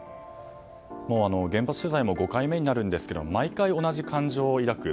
原発取材も５回目になるんですが毎回同じ感情を抱く。